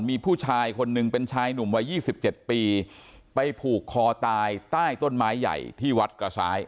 มีผู้ชายคนหนึ่งเป็นชายหนุ่มวัย๒๗ปีไปผูกคอตายใต้ต้นไม้ใหญ่ที่วัดกระซ้าย